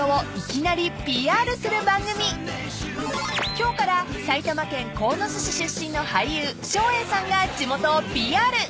［今日から埼玉県鴻巣市出身の俳優照英さんが地元をＰＲ］